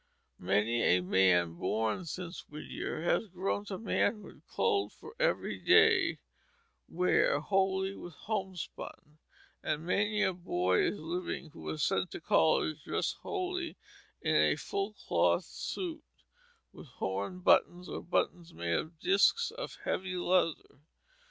Many a man born since Whittier has grown to manhood clothed for every day wear wholly with homespun; and many a boy is living who was sent to college dressed wholly in a "full cloth" suit, with horn buttons or buttons made of discs of heavy leather.